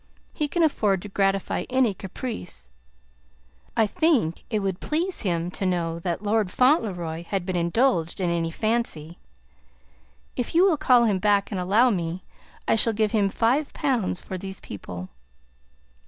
He can afford to gratify any caprice. I think it would please him to know that Lord Fauntleroy had been indulged in any fancy. If you will call him back and allow me, I shall give him five pounds for these people."